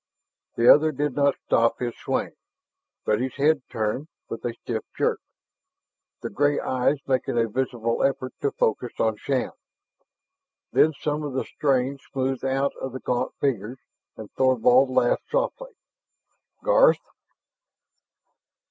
The other did not stop his swaying, but his head turned with a stiff jerk, the gray eyes making a visible effort to focus on Shann. Then some of the strain smoothed out of the gaunt features and Thorvald laughed softly. "Garth!"